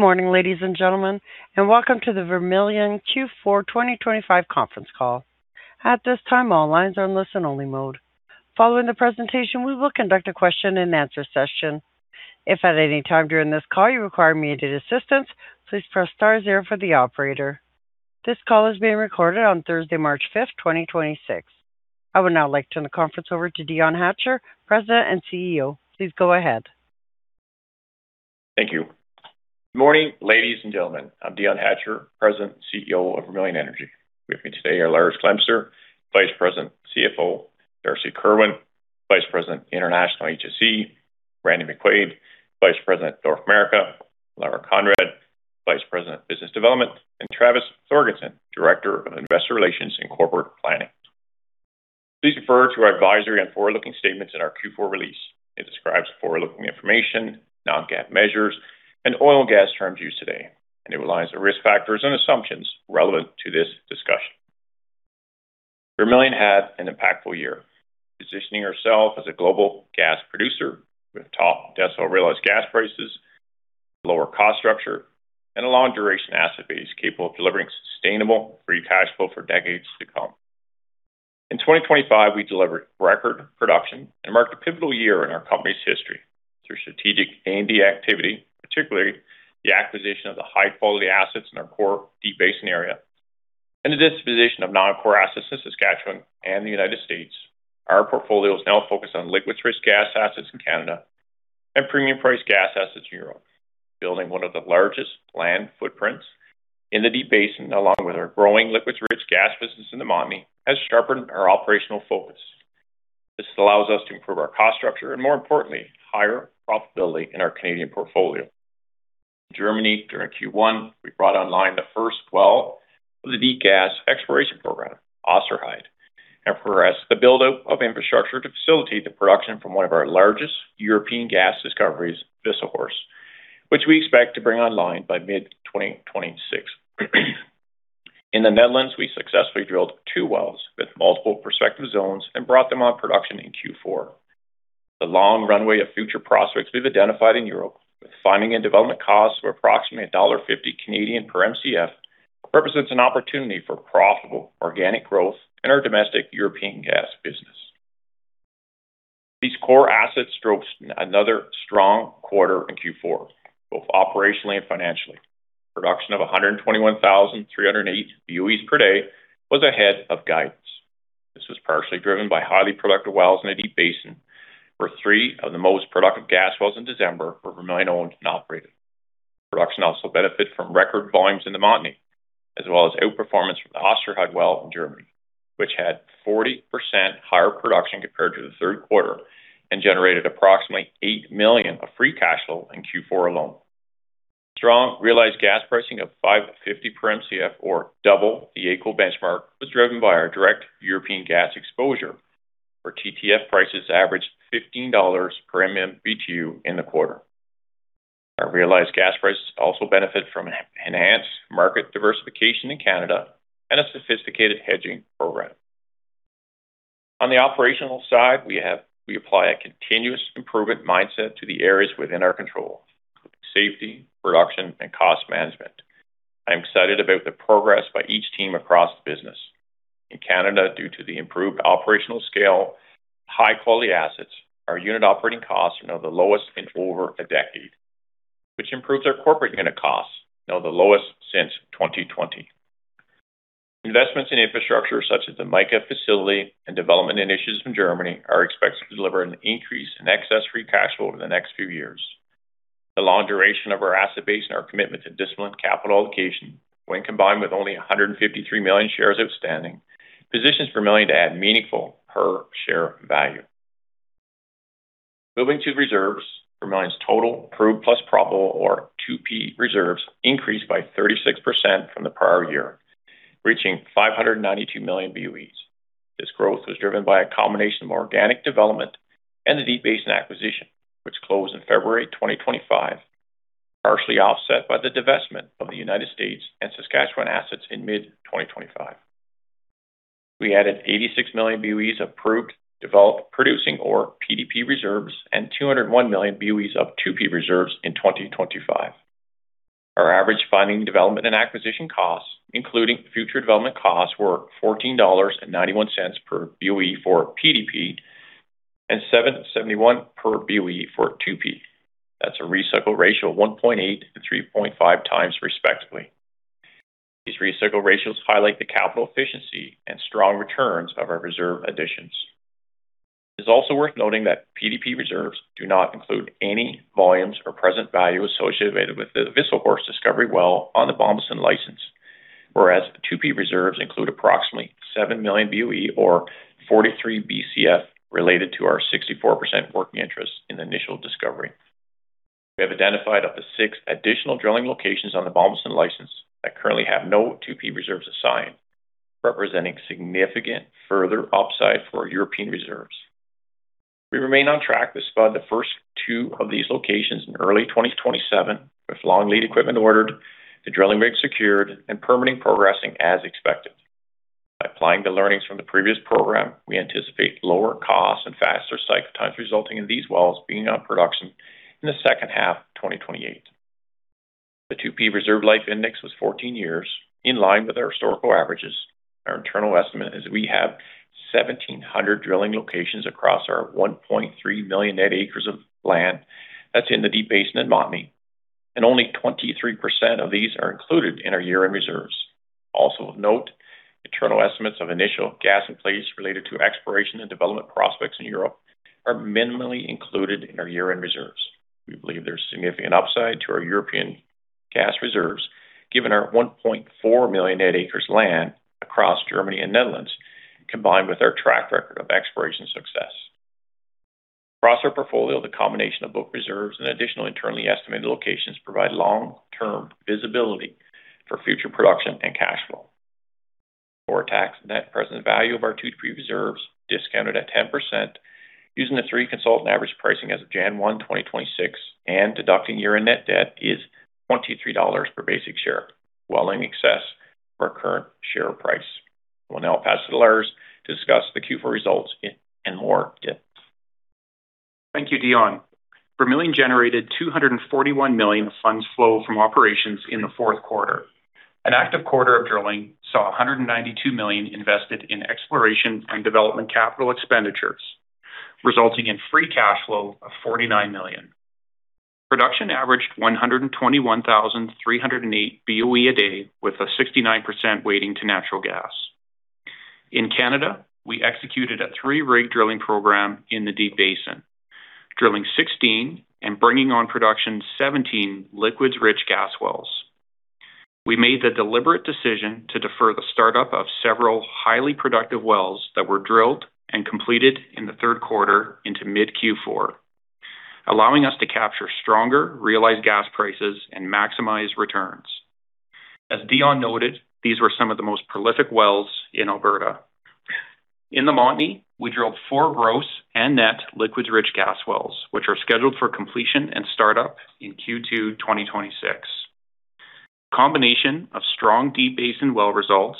Morning, ladies and gentlemen, welcome to the Vermilion Q4 2025 conference call. At this time, all lines are in listen-only mode. Following the presentation, we will conduct a question-and-answer session. If at any time during this call you require immediate assistance, please press star zero for the operator. This call is being recorded on Thursday, March 5th, 2026. I would now like to turn the conference over to Dion Hatcher, President and CEO. Please go ahead. Thank you. Good morning, ladies and gentlemen. I'm Dion Hatcher, President and CEO of Vermilion Energy. With me today are Lars Glemser, Vice President, CFO, Darcy Kerwin, Vice President, International & HSE, Randy McQuaig, Vice President, North America, Laura Conrad, Vice President, Business Development, and Travis Thorgeirson, Director of Investor Relations & Corporate Planning. Please refer to our advisory on forward-looking statements in our Q4 release. It describes forward-looking information, non-GAAP measures, and oil and gas terms used today, and it relies on risk factors and assumptions relevant to this discussion. Vermilion had an impactful year, positioning herself as a global gas producer with top decile realized gas prices, lower cost structure, and a long duration asset base capable of delivering sustainable Free Cash Flow for decades to come. In 2025, we delivered record production and marked a pivotal year in our company's history through strategic M&A activity, particularly the acquisition of the high-quality assets in our core Deep Basin area and the disposition of non-core assets in Saskatchewan and the United States. Our portfolio is now focused on liquids-rich gas assets in Canada and premium priced gas assets in Europe. Building one of the largest land footprints in the Deep Basin, along with our growing liquids-rich gas business in the Montney, has sharpened our operational focus. This allows us to improve our cost structure and more importantly, higher profitability in our Canadian portfolio. Germany, during Q1, we brought online the first well of the deep gas exploration program, Osterheide, and progressed the build-up of infrastructure to facilitate the production from one of our largest European gas discoveries, Wisselshorst, which we expect to bring online by mid 2026. In the Netherlands, we successfully drilled two wells with multiple prospective zones and brought them on production in Q4. The long runway of future prospects we've identified in Europe with finding and development costs of approximately $1.50 CAD per Mcf represents an opportunity for profitable organic growth in our domestic European gas business. These core assets drove another strong quarter in Q4, both operationally and financially. Production of 121,308 BOEs per day was ahead of guidance. This was partially driven by highly productive wells in the Deep Basin, where three of the most productive gas wells in December were Vermilion-owned and operated. Production also benefit from record volumes in the Montney, as well as outperformance from the Osterheide well in Germany, which had 40% higher production compared to the third quarter and generated approximately $8 million of Free Cash Flow in Q4 alone. Strong realized gas pricing of $5.50 per Mcf or double the AECO benchmark was driven by our direct European gas exposure where TTF prices averaged $15 per MMBtu in the quarter. Our realized gas prices also benefit from enhanced market diversification in Canada and a sophisticated hedging program. On the operational side, we apply a continuous improvement mindset to the areas within our control, safety, production, and cost management. I'm excited about the progress by each team across the business. In Canada, due to the improved operational scale, high-quality assets, our unit operating costs are now the lowest in over a decade, which improves our corporate unit costs, now the lowest since 2020. Investments in infrastructure such as the Mica facility and development initiatives in Germany are expected to deliver an increase in excess free cash flow over the next few years. The long duration of our asset base and our commitment to disciplined capital allocation, when combined with only 153 million shares outstanding, positions Vermilion to add meaningful per share value. Moving to reserves, Vermilion's total proved plus probable or 2P reserves increased by 36% from the prior year, reaching 592 million BOEs. This growth was driven by a combination of organic development and the Deep Basin acquisition, which closed in February 2025, partially offset by the divestment of the United States and Saskatchewan assets in mid-2025. We added 86 million BOEs of proved developed producing or PDP reserves and 201 million BOEs of 2P reserves in 2025. Our average funding development and acquisition costs, including future development costs, were $14.91 per BOE for PDP and $7.71 per BOE for 2P. That's a recycle ratio of 1.8x-3.5x, respectively. These recycle ratios highlight the capital efficiency and strong returns of our reserve additions. It's also worth noting that PDP reserves do not include any volumes or present value associated with the Wisselshorst discovery well on the Bommelsen license, whereas 2P reserves include approximately 7 million BOE or 43 Bcf related to our 64% working interest in the initial discovery. We have identified up to six additional drilling locations on the Bommelsen license that currently have no 2P reserves assigned, representing significant further upside for European reserves. We remain on track to spud the first two of these locations in early 2027, with long lead equipment ordered, the drilling rig secured, and permitting progressing as expected. Applying the learnings from the previous program, we anticipate lower costs and faster cycle times resulting in these wells being on production in the H2 of 2028. The 2P Reserve Life Index was 14 years, in line with our historical averages. Our internal estimate is that we have 1,700 drilling locations across our 1.3 million net acres of land that's in the Deep Basin and Montney. Only 23% of these are included in our year-end reserves. Also of note, internal estimates of Initial Gas In Place related to exploration and development prospects in Europe are minimally included in our year-end reserves. We believe there's significant upside to our European gas reserves given our 1.4 million net acres land across Germany and Netherlands, combined with our track record of exploration success. Across our portfolio, the combination of both reserves and additional internally estimated locations provide long-term visibility for future production and cash flow. Our tax Net Present Value of our 2P reserves discounted at 10% using the three consultant average pricing as of January 1, 2026 and deducting year-end net debt is $23 per basic share, well in excess of our current share price. I will now pass it to Lars to discuss the Q4 results and more in depth. Thank you, Dion. Vermilion generated $241 million of Funds From Operations in the fourth quarter. An active quarter of drilling saw $192 million invested in exploration and development capital expenditures, resulting in Free Cash Flow of $49 million. Production averaged 121,308 boe/d, with a 69% weighting to natural gas. In Canada, we executed a three-rig drilling program in the Deep Basin, drilling 16 and bringing on production 17 liquids-rich gas wells. We made the deliberate decision to defer the startup of several highly productive wells that were drilled and completed in the third quarter into mid-Q4, allowing us to capture stronger realized gas prices and maximize returns. As Dion noted, these were some of the most prolific wells in Alberta. In the Montney, we drilled four gross and net liquids-rich gas wells, which are scheduled for completion and startup in Q2 2026. Combination of strong Deep Basin well results,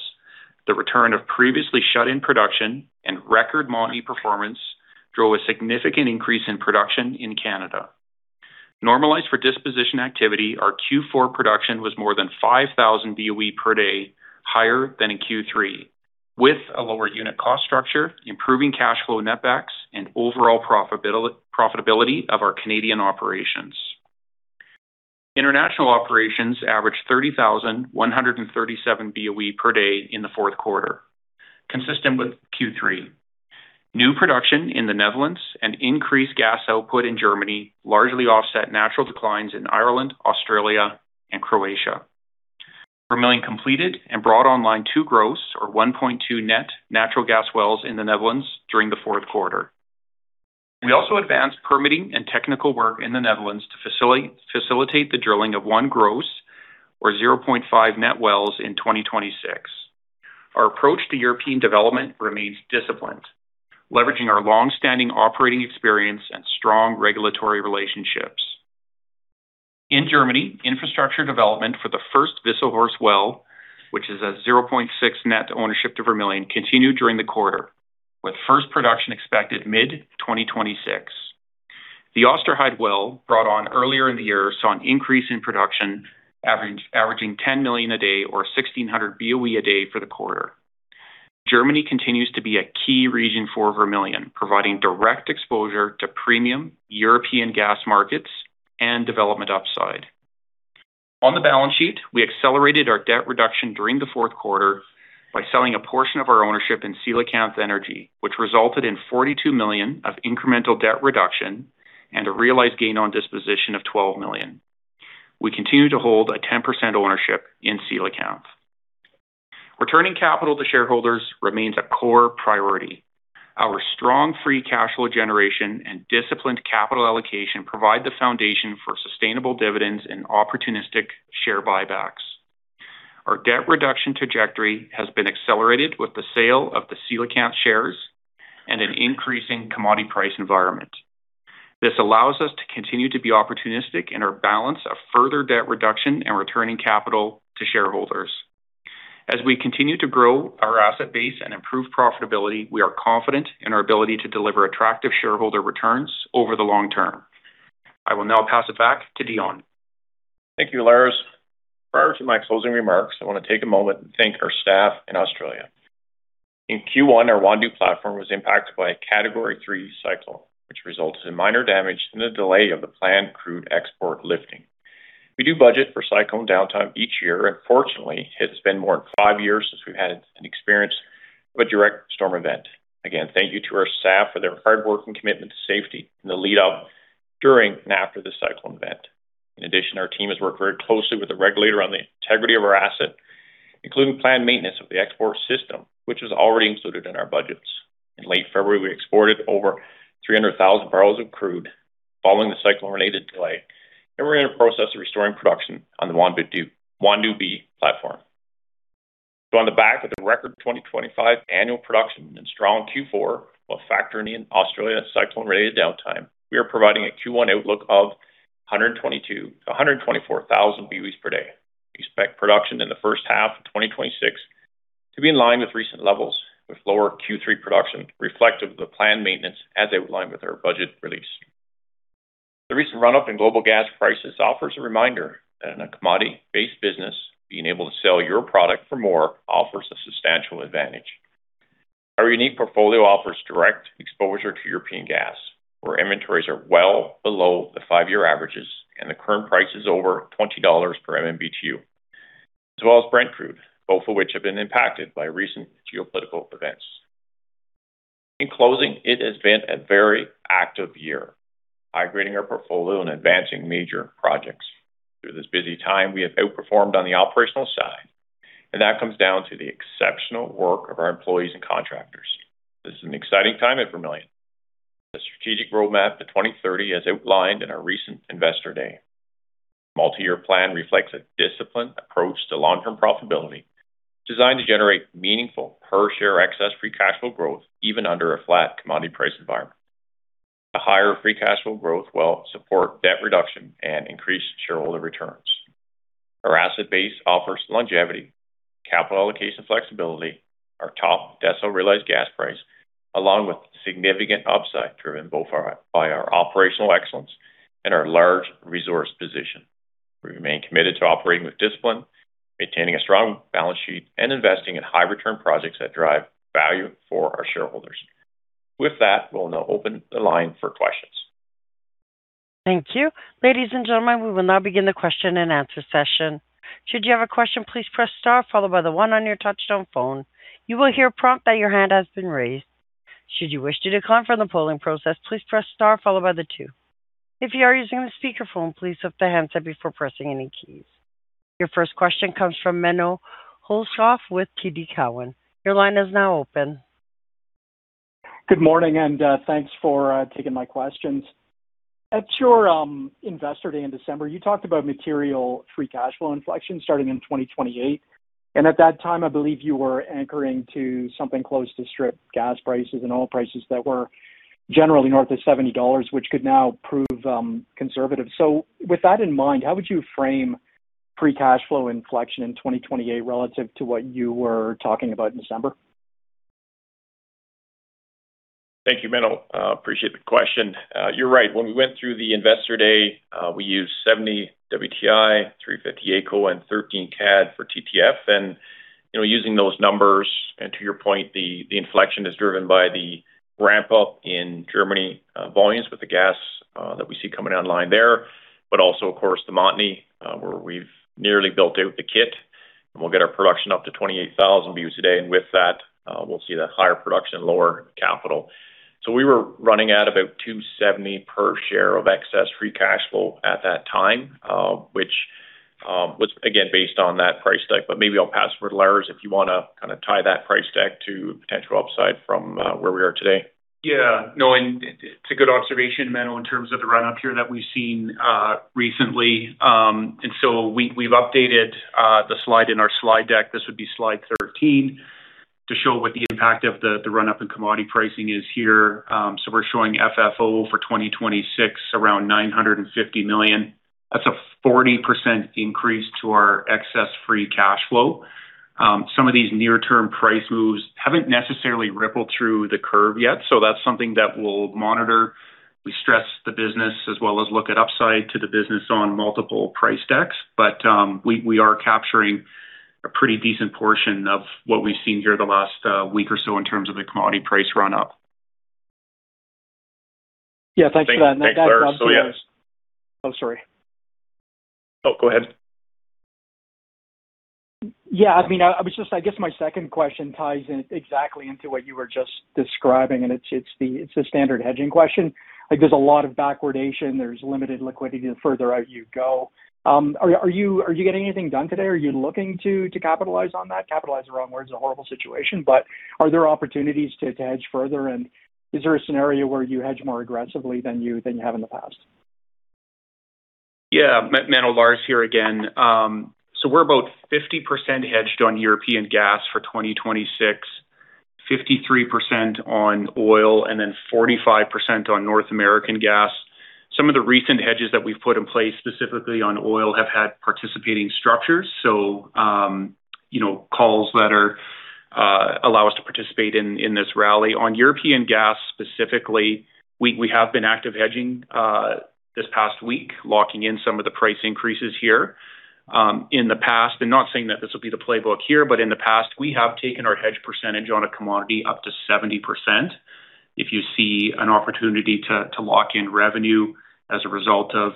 the return of previously shut-in production, and record Montney performance drove a significant increase in production in Canada. Normalized for disposition activity, our Q4 production was more than 5,000 BOE per day higher than in Q3, with a lower unit cost structure, improving cash flow net backs, and overall profitability of our Canadian operations. International operations averaged 30,137 BOE per day in the fourth quarter, consistent with Q3. New production in the Netherlands and increased gas output in Germany largely offset natural declines in Ireland, Australia, and Croatia. Vermilion completed and brought online two gross or 1.2 net natural gas wells in the Netherlands during the fourth quarter. We also advanced permitting and technical work in the Netherlands to facilitate the drilling of one gross or 0.5 net wells in 2026. Our approach to European development remains disciplined, leveraging our long-standing operating experience and strong regulatory relationships. In Germany, infrastructure development for the first Wisselshorst well, which is a 0.6 net ownership to Vermilion, continued during the quarter, with first production expected mid-2026. The Osterheide well, brought on earlier in the year, saw an increase in production averaging 10 million a day or 1,600 boe/d for the quarter. Germany continues to be a key region for Vermilion, providing direct exposure to premium European gas markets and development upside. On the balance sheet, we accelerated our debt reduction during the fourth quarter by selling a portion of our ownership in Coelacanth Energy, which resulted in $42 million of incremental debt reduction and a realized gain on disposition of $12 million. We continue to hold a 10% ownership in Coelacanth. Returning capital to shareholders remains a core priority. Our strong Free Cash Flow generation and disciplined capital allocation provide the foundation for sustainable dividends and opportunistic share buybacks. Our debt reduction trajectory has been accelerated with the sale of the Coelacanth shares and an increasing commodity price environment. This allows us to continue to be opportunistic in our balance of further debt reduction and returning capital to shareholders. As we continue to grow our asset base and improve profitability, we are confident in our ability to deliver attractive shareholder returns over the long term. I will now pass it back to Dion. Thank you, Lars. Prior to my closing remarks, I want to take a moment and thank our staff in Australia. In Q1, our Wandoo platform was impacted by a Category three cyclone, which resulted in minor damage and a delay of the planned crude export lifting. We do budget for cyclone downtime each year, and fortunately, it's been more than five years since we've had an experience of a direct storm event. Again, thank you to our staff for their hard work and commitment to safety in the lead up, during, and after the cyclone event. In addition, our team has worked very closely with the regulator on the integrity of our asset, including planned maintenance of the export system, which was already included in our budgets. In late February, we exported over 300,000 barrels of crude following the cyclone-related delay, and we're in the process of restoring production on the Wandoo B platform. On the back of the record 2025 annual production and strong Q4, while factoring in Australian cyclone-related downtime, we are providing a Q1 outlook of 122,000-124,000 BOEs per day. We expect production in the H1 of 2026 to be in line with recent levels, with lower Q3 production reflective of the planned maintenance as outlined with our budget release. The recent run-up in global gas prices offers a reminder that in a commodity-based business, being able to sell your product for more offers a substantial advantage. Our unique portfolio offers direct exposure to European gas, where inventories are well below the five-year averages and the current price is over $20 per MMBtu, as well as Brent Crude, both of which have been impacted by recent geopolitical events. In closing, it has been a very active year, migrating our portfolio and advancing major projects. Through this busy time, we have outperformed on the operational side, and that comes down to the exceptional work of our employees and contractors. This is an exciting time at Vermilion. The strategic roadmap to 2030 as outlined in our recent Investor Day. Multi-year plan reflects a disciplined approach to long-term profitability designed to generate meaningful per-share excess Free Cash Flow growth even under a flat commodity price environment. The higher Free Cash Flow growth will support debt reduction and increased shareholder returns. Our asset base offers longevity, capital allocation flexibility, our top decile realized gas price, along with significant upside driven both by our operational excellence and our large resource position. We remain committed to operating with discipline, maintaining a strong balance sheet, and investing in high return projects that drive value for our shareholders. With that, we'll now open the line for questions. Thank you. Ladies and gentlemen, we will now begin the question and answer session. Should you have a question, please press star followed by the one on your touchtone phone. You will hear a prompt that your hand has been raised. Should you wish to decline from the polling process, please press star followed by the two. If you are using the speakerphone, please lift the handset before pressing any keys. Your first question comes from Menno Holthuis with TD Cowen. Your line is now open. Good morning, and thanks for taking my questions. At your Investor Day in December, you talked about material Free Cash Flow inflection starting in 2028. At that time, I believe you were anchoring to something close to strip gas prices and oil prices that were generally north of $70, which could now prove conservative. With that in mind, how would you frame Free Cash Flow inflection in 2028 relative to what you were talking about in December? Thank you, Menno. I appreciate the question. You're right. When we went through the Investor Day, we used 70 WTI, 3.50 AECO, and 13 CAD for TTF. Using those numbers, and to your point, the inflection is driven by the ramp up in Germany volumes with the gas that we see coming online there, but also of course, the Montney, where we've nearly built out the kit, and we'll get our production up to 28,000 BOEs a day. With that, we'll see the higher production, lower capital. We were running at about $2.70 per share of excess Free Cash Flow at that time, which, was again, based on that price deck. Maybe I'll pass it over to Lars if you wanna kinda tie that price deck to potential upside from where we are today. Yeah, no, it's a good observation, Menno, in terms of the run-up here that we've seen recently. We've updated the slide in our slide deck. This would be slide 13, to show what the impact of the run-up in commodity pricing is here. We're showing FFO for 2026, around $950 million. That's a 40% increase to our excess Free Cash Flow. Some of these near-term price moves haven't necessarily rippled through the curve yet, so that's something that we'll monitor. We stress the business as well as look at upside to the business on multiple price decks. We are capturing a pretty decent portion of what we've seen here the last week or so in terms of the commodity price run-up. Yeah, thanks for that. Thanks, Lars. Yeah. Oh, sorry. No, go ahead. Yeah, I mean, I guess my second question ties in exactly into what you were just describing, and it's a standard hedging question. Like, there's a lot of backwardation, there's limited liquidity the further out you go. Are you getting anything done today? Are you looking to capitalize on that? Capitalize the wrong word. It's a horrible situation, but are there opportunities to hedge further? Is there a scenario where you hedge more aggressively than you have in the past? Yeah. Menno, Lars here again. We're about 50% hedged on European gas for 2026, 53% on oil, and then 45% on North American gas. Some of the recent hedges that we've put in place, specifically on oil, have had participating structures. You know, calls that allow us to participate in this rally. On European gas specifically, we have been active hedging this past week, locking in some of the price increases here. In the past, and not saying that this will be the playbook here, but in the past, we have taken our hedge percentage on a commodity up to 70% if you see an opportunity to lock in revenue as a result of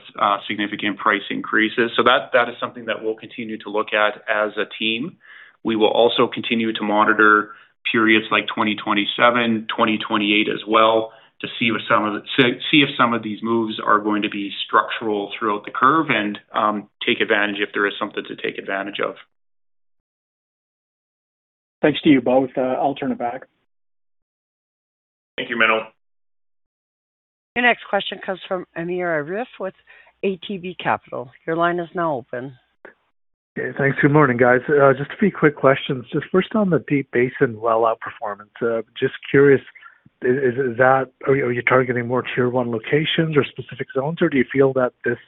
significant price increases. That is something that we'll continue to look at as a team. We will also continue to monitor periods like 2027, 2028 as well to see if some of these moves are going to be structural throughout the curve and take advantage if there is something to take advantage of. Thanks to you both. I'll turn it back. Thank you, Menno. Your next question comes from Amir Arif with ATB Capital. Your line is now open. Okay, thanks. Good morning, guys. Just a few quick questions. Just first on the Deep Basin well outperformance. Just curious, are you targeting more tier one locations or specific zones, or do you feel that this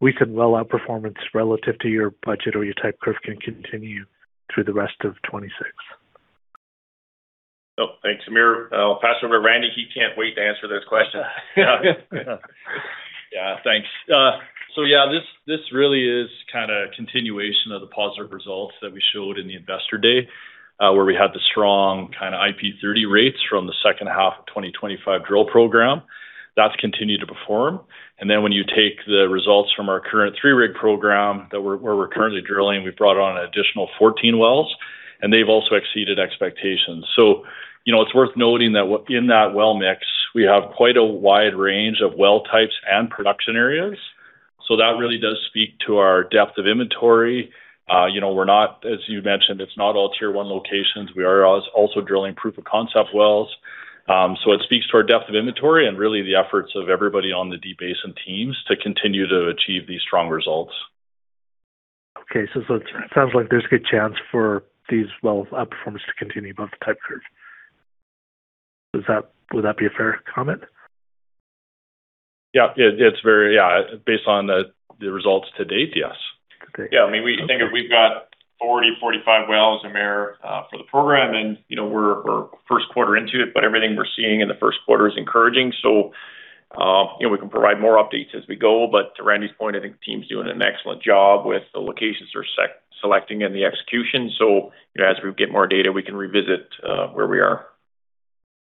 weakened well outperformance relative to your budget or your type curve can continue through the rest of 2026? Oh, thanks, Amir. I'll pass over to Randy. He can't wait to answer those questions. Yeah. Thanks. This, this really is kind of a continuation of the positive results that we showed in the investor day, where we had the strong kind of IP30 rates from the H2 of 2025 drill program. That's continued to perform. When you take the results from our current three-rig program that we're currently drilling, we've brought on an additional 14 wells, and they've also exceeded expectations. You know, it's worth noting that in that well mix, we have quite a wide range of well types and production areas. That really does speak to our depth of inventory. You know, as you mentioned, it's not all tier one locations. We are also drilling proof of concept wells. It speaks to our depth of inventory and really the efforts of everybody on the Deep Basin teams to continue to achieve these strong results. Okay. It sounds like there's a good chance for these well outperformance to continue above the type curve. Would that be a fair comment? Yeah. Based on the results to date, yes. I mean, we think if we've got 40, 45 wells, Amir, for the program, then, you know, we're first quarter into it, but everything we're seeing in the first quarter is encouraging. You know, we can provide more updates as we go. To Randy's point, I think the team's doing an excellent job with the locations they're selecting and the execution. You know, as we get more data, we can revisit, where we are.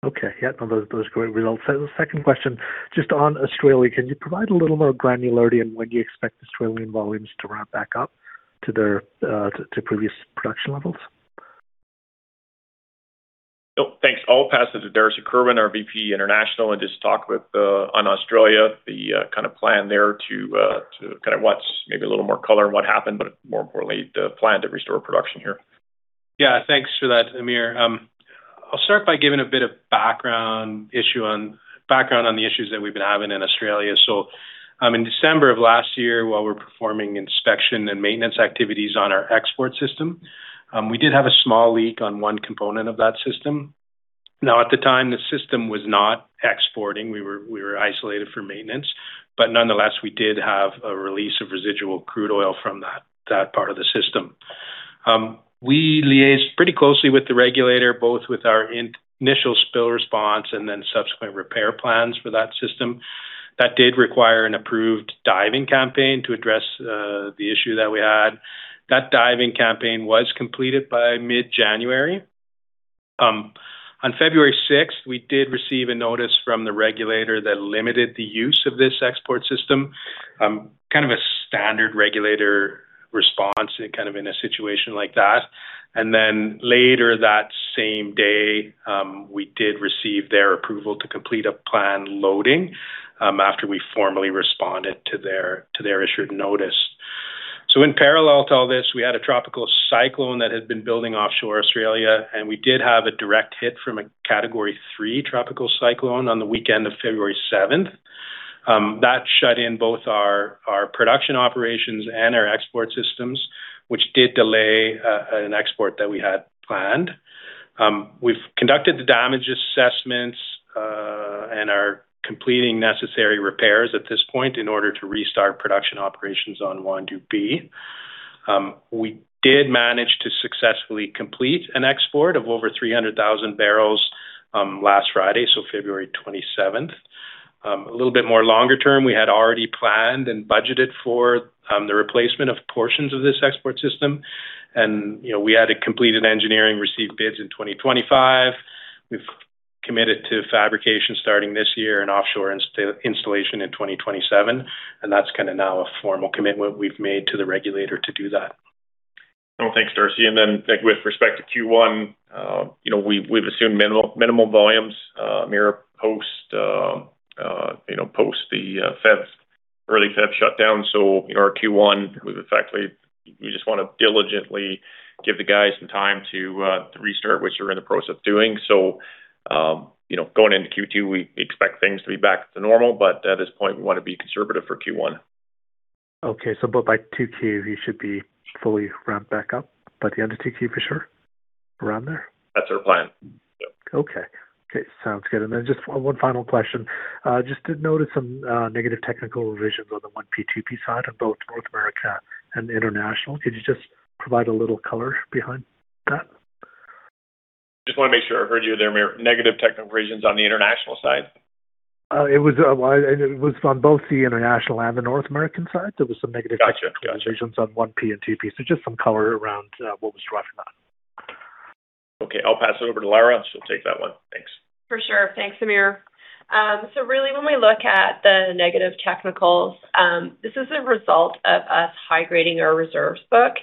Okay. Yeah. Those are great results. The second question, just on Australia, can you provide a little more granularity on when you expect Australian volumes to ramp back up to their to previous production levels? Oh, thanks. I'll pass it to Darcy Kerwin, our VP International, and just talk with on Australia, the kinda plan there to kinda watch maybe a little more color on what happened, but more importantly, the plan to restore production here. Thanks for that, Amir. I'll start by giving a bit of background on the issues that we've been having in Australia. In December of last year, while we're performing inspection and maintenance activities on our export system, we did have a small leak on one component of that system. Now, at the time, the system was not exporting. We were isolated for maintenance. Nonetheless, we did have a release of residual crude oil from that part of the system. We liaised pretty closely with the regulator, both with our initial spill response and then subsequent repair plans for that system. That did require an approved diving campaign to address the issue that we had. That diving campaign was completed by mid-January. On February 6th, we did receive a notice from the regulator that limited the use of this export system. Kind of a standard regulator response in a situation like that. Later that same day, we did receive their approval to complete a planned loading after we formally responded to their issued notice. In parallel to all this, we had a tropical cyclone that had been building offshore Australia, and we did have a direct hit from a category three tropical cyclone on the weekend of February 7th. That shut in both our production operations and our export systems, which did delay an export that we had planned. We've conducted the damage assessments and are completing necessary repairs at this point in order to restart production operations on Wandoo. We did manage to successfully complete an export of over 300,000 barrels last Friday, so February 27th. A little bit more longer term, we had already planned and budgeted for the replacement of portions of this export system. You know, we had to complete an engineering, receive bids in 2025. We've committed to fabrication starting this year and offshore installation in 2027, and that's kinda now a formal commitment we've made to the regulator to do that. Oh, thanks, Darcy. Like, with respect to Q1, you know, we've assumed minimal volumes, Amir, post, you know, post the early Feb shutdown. You know, our Q1 was effectively... We just wanna diligently give the guys some time to restart, which they're in the process of doing. You know, going into Q2, we expect things to be back to normal, but at this point, we wanna be conservative for Q1. Okay. But by 2Q, you should be fully ramped back up. By the end of 2Q, for sure? Around there? That's our plan. Yep. Okay. Okay. Sounds good. Just one final question. Just did notice some negative technical revisions on the 1P, 2P side on both North America and International. Could you just provide a little color behind that? Just wanna make sure I heard you there, Amir. Negative technical revisions on the international side? It was on both the international and the North American side. There was some. Gotcha. Gotcha. revisions on 1P and 2P. just some color around, what was driving that. Okay. I'll pass it over to Lars. She'll take that one. Thanks. For sure. Thanks, Amir. Really when we look at the negative technicals, this is a result of us high-grading our reserves book,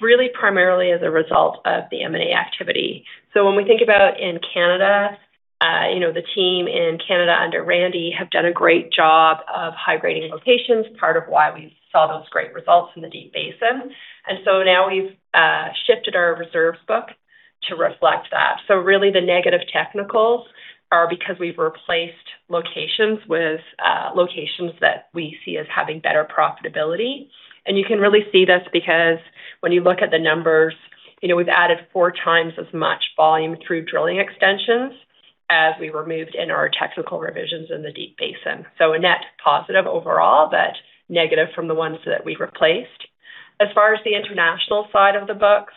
really primarily as a result of the M&A activity. When we think about in Canada, you know, the team in Canada under Randy have done a great job of high-grading locations, part of why we saw those great results in the Deep Basin. Now we've shifted our reserves book to reflect that. Really the negative technicals are because we've replaced locations with locations that we see as having better profitability. You can really see this because when you look at the numbers, you know, we've added 4x as much volume through drilling extensions as we removed in our technical revisions in the Deep Basin. A net positive overall, but negative from the ones that we replaced. As far as the international side of the books,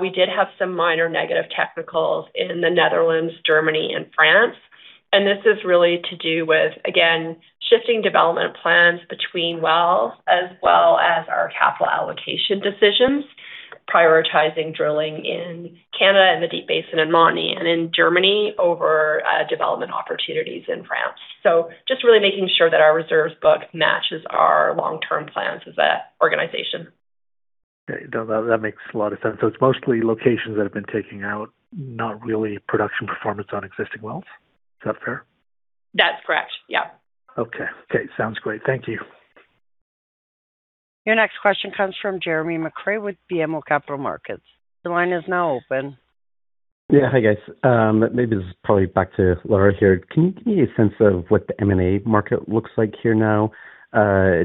we did have some minor negative technicals in the Netherlands, Germany and France. This is really to do with, again, shifting development plans between wells as well as our capital allocation decisions, prioritizing drilling in Canada and the Deep Basin and Montney and in Germany over development opportunities in France. Just really making sure that our reserves book matches our long-term plans as an organization. Okay. That makes a lot of sense. It's mostly locations that have been taking out, not really production performance on existing wells. Is that fair? That's correct. Yeah. Okay. Okay, sounds great. Thank you. Your next question comes from Jeremy McCrea with BMO Capital Markets. Your line is now open. Yeah. Hi, guys. Maybe this is probably back to Laura here. Can you give me a sense of what the M&A market looks like here now,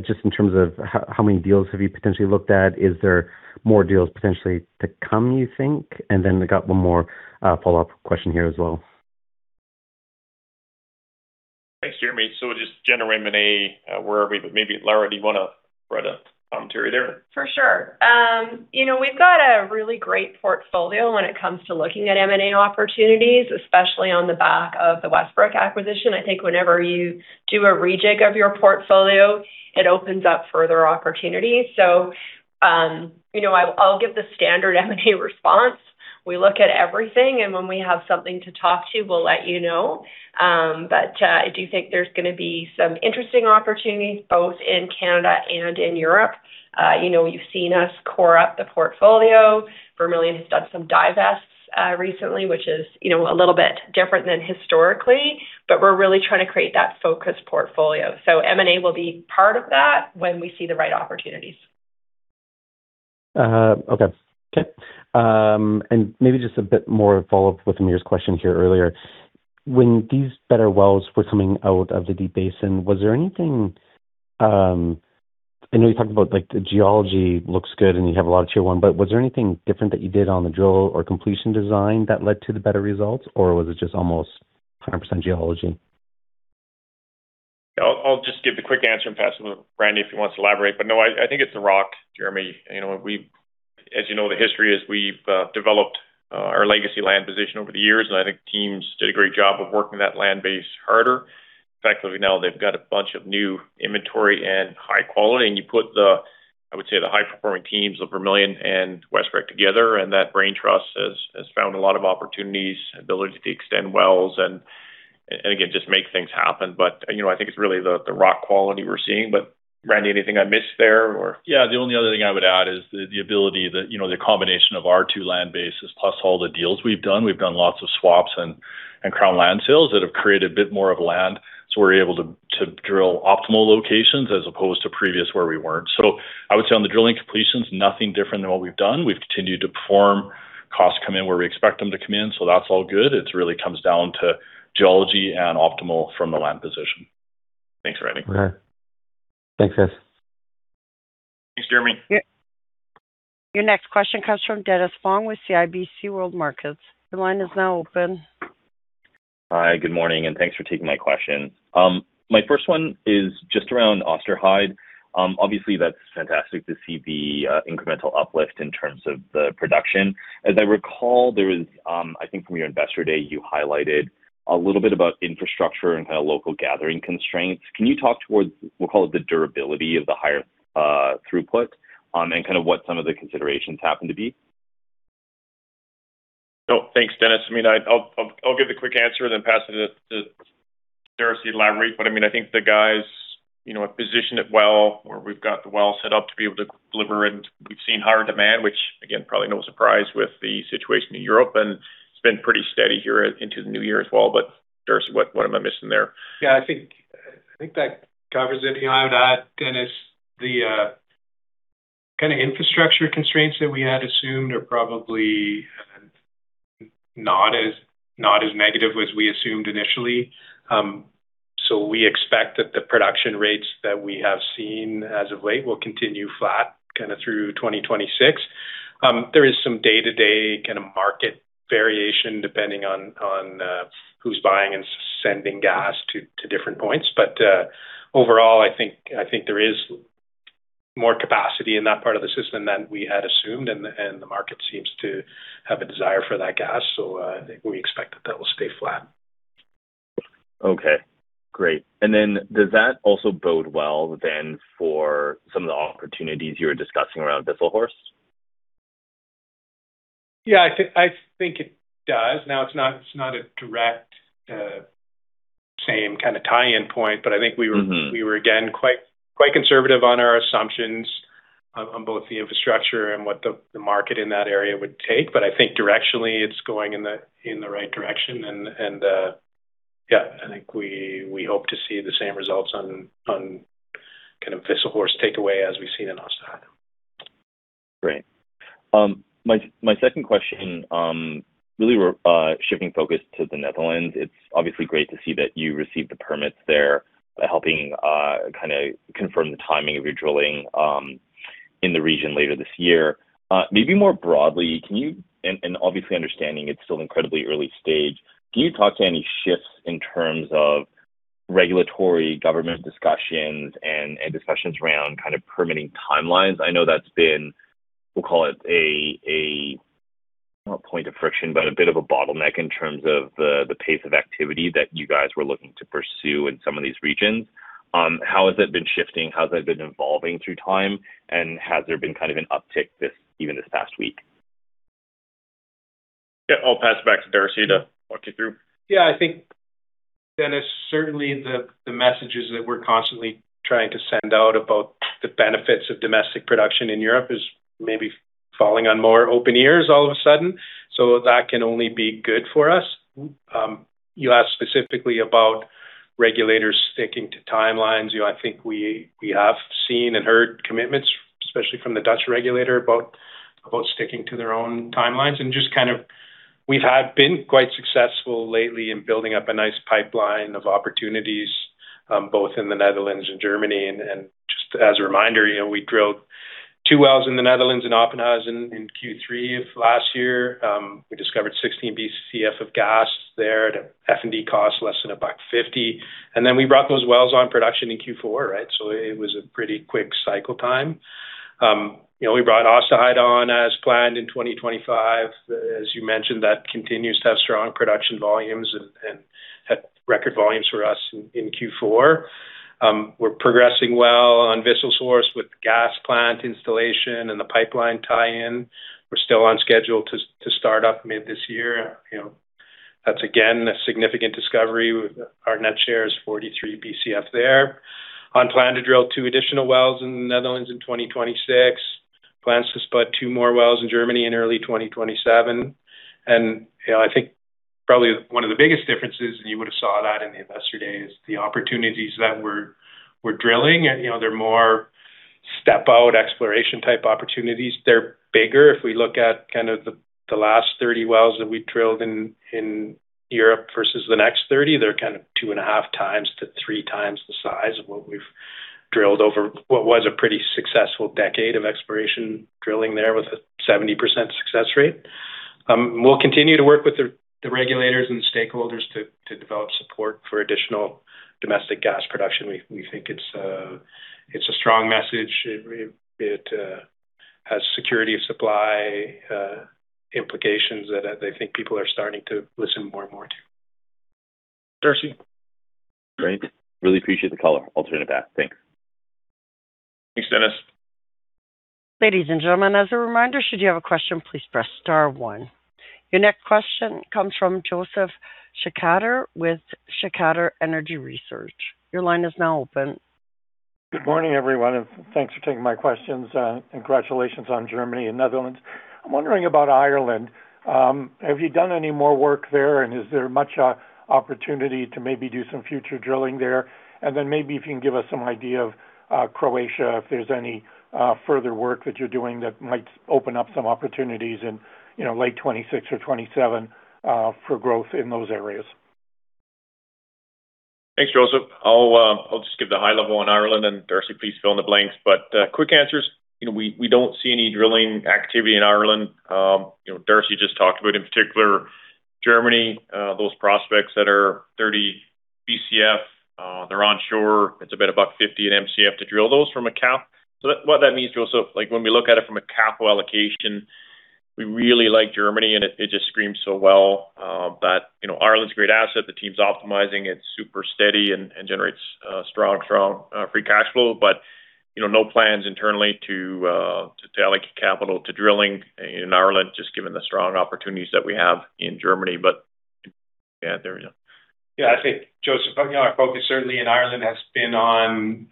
just in terms of how many deals have you potentially looked at? Is there more deals potentially to come, you think? I got one more, follow-up question here as well. Thanks, Jeremy. Just general M&A, where are we? Maybe, Laura, do you wanna provide a commentary there? For sure. you know, we've got a really great portfolio when it comes to looking at M&A opportunities, especially on the back of the Westbrick acquisition. I think whenever you do a rejig of your portfolio, it opens up further opportunities. you know, I'll give the standard M&A response. We look at everything, and when we have something to talk to, we'll let you know. I do think there's gonna be some interesting opportunities both in Canada and in Europe. you know, you've seen us core up the portfolio. Vermilion has done some divests recently, which is, you know, a little bit different than historically, but we're really trying to create that focused portfolio. M&A will be part of that when we see the right opportunities. Okay. Okay. Maybe just a bit more follow-up with Amir's question here earlier. When these better wells were coming out of the Deep Basin, was there anything, I know you talked about, like, the geology looks good and you have a lot of tier one, but was there anything different that you did on the drill or completion design that led to the better results, or was it just almost 100% geology? I'll just give the quick answer and pass it to Randy if he wants to elaborate. No, I think it's the rock, Jeremy. You know, as you know, the history is we've developed our legacy land position over the years, and I think teams did a great job of working that land base harder. In fact, now they've got a bunch of new inventory and high quality, and you put the, I would say, the high-performing teams of Vermilion and Westbrick together, and that brain trust has found a lot of opportunities, ability to extend wells and again, just make things happen. You know, I think it's really the rock quality we're seeing. Randy, anything I missed there or? The only other thing I would add is the ability that, you know, the combination of our two land bases plus all the deals we've done, we've done lots of swaps and crown land sales that have created a bit more of land, so we're able to drill optimal locations as opposed to previous where we weren't. I would say on the drilling completions, nothing different than what we've done. We've continued to perform. Costs come in where we expect them to come in, so that's all good. It really comes down to geology and optimal from the land position. Thanks, Randy. Okay. Thanks, guys. Thanks, Jeremy. Your next question comes from Dennis Fong with CIBC World Markets. Your line is now open. Hi. Good morning, and thanks for taking my question. My first one is just around Osterheide. Obviously, that's fantastic to see the incremental uplift in terms of the production. As I recall, there was, I think from your Investor Day, you highlighted a little bit about infrastructure and local gathering constraints. Can you talk towards, we'll call it the durability of the higher throughput, and kind of what some of the considerations happen to be? Thanks, Dennis. I mean, I'll give the quick answer then pass it to Darcy to elaborate. I mean, I think the guys, you know, have positioned it well, where we've got the well set up to be able to deliver, and we've seen higher demand, which again, probably no surprise with the situation in Europe, and it's been pretty steady here into the new year as well. Darcy, what am I missing there? Yeah, I think that covers it. The only I would add, Dennis, the kinda infrastructure constraints that we had assumed are probably not as negative as we assumed initially. We expect that the production rates that we have seen as of late will continue flat kinda through 2026. There is some day-to-day kinda market variation depending on who's buying and sending gas to different points. Overall, I think there is more capacity in that part of the system than we had assumed, and the market seems to have a desire for that gas. I think we expect that that will stay flat. Okay, great. Does that also bode well then for some of the opportunities you were discussing around Wisselshorst? Yeah, I think it does. Now, it's not, it's not a direct, same kinda tie-in point, but I think we. Mm-hmm. We were, again, quite conservative on our assumptions on both the infrastructure and what the market in that area would take. I think directionally it's going in the right direction and yeah, I think we hope to see the same results on Kind of Wisselshorst takeaway as we've seen in Wietze. Great. My second question, really we're shifting focus to the Netherlands. It's obviously great to see that you received the permits there, helping kinda confirm the timing of your drilling in the region later this year. Maybe more broadly, obviously understanding it's still incredibly early stage, can you talk to any shifts in terms of regulatory government discussions and discussions around kind of permitting timelines? I know that's been, we'll call it a not point of friction, but a bit of a bottleneck in terms of the pace of activity that you guys were looking to pursue in some of these regions. How has it been shifting? How has that been evolving through time? Has there been kind of an uptick even this past week? Yeah. I'll pass it back to Darcy to walk you through. Yeah, I think, Dennis, certainly the messages that we're constantly trying to send out about the benefits of domestic production in Europe is maybe falling on more open ears all of a sudden, so that can only be good for us. You asked specifically about regulators sticking to timelines. You know, I think we have seen and heard commitments, especially from the Dutch regulator, about sticking to their own timelines. We've had been quite successful lately in building up a nice pipeline of opportunities, both in the Netherlands and Germany. Just as a reminder, you know, we drilled two wells in the Netherlands, in Oppenhuizen in Q3 of last year. We discovered 16 Bcf of gas there at F&D cost less than $1.50. Then we brought those wells on production in Q4, right? It was a pretty quick cycle time. You know, we brought Osterheide on as planned in 2025. As you mentioned, that continues to have strong production volumes and had record volumes for us in Q4. We’re progressing well on Wisselshorst with gas plant installation and the pipeline tie-in. We’re still on schedule to start up mid this year. You know, that’s again a significant discovery. Our net share is 43 Bcf there. On plan to drill 2 additional wells in the Netherlands in 2026. Plans to spud two more wells in Germany in early 2027. You know, I think probably one of the biggest differences, and you would have saw that in the investor day, is the opportunities that we’re drilling, and, you know, they’re more step-out exploration type opportunities. They’re bigger. If we look at kind of the last 30 wells that we drilled in Europe versus the next 30, they’re kind of 2.5x to 3x the size of what we’ve drilled over what was a pretty successful decade of exploration drilling there with a 70% success rate. We’ll continue to work with the regulators and stakeholders to develop support for additional domestic gas production. We think it’s a strong message. It has security of supply implications that I think people are starting to listen more and more to. Darcy. Great. Really appreciate the color. I'll turn it back. Thanks. Thanks, Dennis. Ladies and gentlemen, as a reminder, should you have a question, please press star one. Your next question comes from Josef Schachter with Schachter Energy Research. Your line is now open. Good morning, everyone, and thanks for taking my questions. Congratulations on Germany and Netherlands. I'm wondering about Ireland. Have you done any more work there, and is there much opportunity to maybe do some future drilling there? Then maybe if you can give us some idea of Croatia, if there's any further work that you're doing that might open up some opportunities in, you know, late 2026 or 2027 for growth in those areas. Thanks, Josef. I'll just give the high level on Ireland, and Darcy, please fill in the blanks. Quick answers, you know, we don't see any drilling activity in Ireland. You know, Darcy just talked about, in particular, Germany, those prospects that are 30 Bcf, they're onshore. It's about $1.50/Mcf to drill those from a cap. What that means, Josef, like, when we look at it from a capital allocation, we really like Germany, and it just screams so well. You know, Ireland's a great asset. The team's optimizing. It's super steady and generates strong Free Cash Flow. You know, no plans internally to allocate capital to drilling in Ireland, just given the strong opportunities that we have in Germany. Yeah, there we go. Yeah. I think, Josef, you know, our focus certainly in Ireland has been on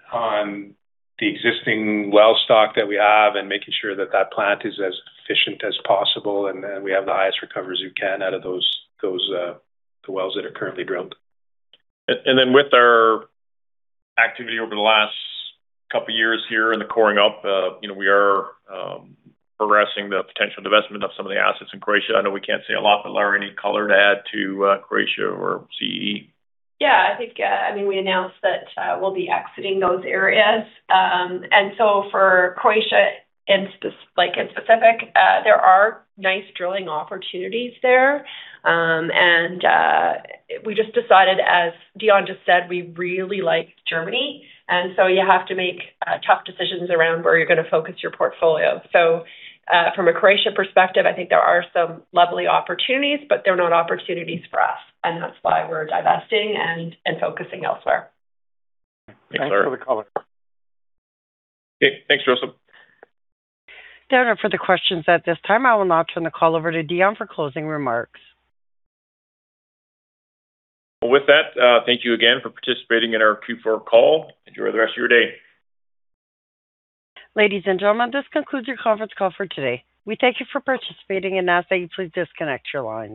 the existing well stock that we have and making sure that that plant is as efficient as possible, and we have the highest recovery as we can out of those the wells that are currently drilled. With our activity over the last couple years here and the coring up, you know, we are progressing the potential divestment of some of the assets in Croatia. I know we can't say a lot, but Laura, any color to add to Croatia or CEE? Yeah. I think, I mean, we announced that we'll be exiting those areas. For Croatia in specific, there are nice drilling opportunities there. We just decided, as Dion just said, we really like Germany. You have to make tough decisions around where you're gonna focus your portfolio. From a Croatia perspective, I think there are some lovely opportunities, but they're not opportunities for us, and that's why we're divesting and focusing elsewhere. Thanks, Laura. Thanks for the color. Okay. Thanks, Josef. That are all for the questions at this time. I will now turn the call over to Dion for closing remarks. With that, thank you again for participating in our Q4 call. Enjoy the rest of your day. Ladies and gentlemen, this concludes your conference call for today. We thank you for participating and ask that you please disconnect your lines.